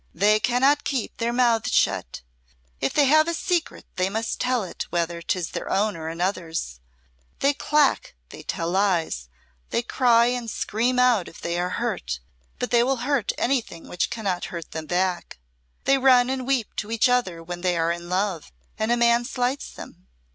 "They cannot keep their mouths shut. If they have a secret they must tell it, whether 'tis their own or another's. They clack, they tell lies, they cry and scream out if they are hurt; but they will hurt anything which cannot hurt them back. They run and weep to each other when they are in love and a man slights them.